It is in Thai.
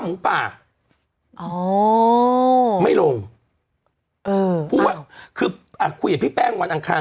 หมูป่าอ๋อไม่ลงเออพูดว่าคืออ่ะคุยกับพี่แป้งวันอังคาร